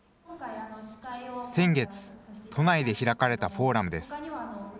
先月、都内で開かれたフォーラムです。